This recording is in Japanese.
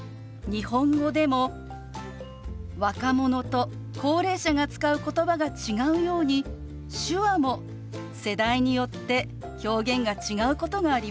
日本語でも若者と高齢者が使うことばが違うように手話も世代によって表現が違うことがあります。